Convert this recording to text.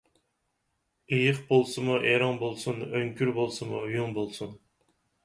ئېيىق بولسىمۇ ئېرىڭ بولسۇن، ئۆڭكۈر بولسىمۇ ئۆيۈڭ بولسۇن.